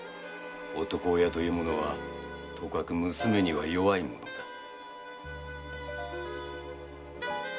男親というものはとかく娘には弱いものだ。